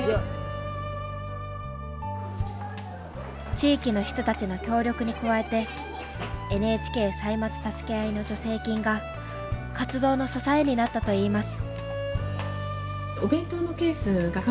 地域の人たちの協力に加えて「ＮＨＫ歳末たすけあい」の助成金が活動の支えになったと言います。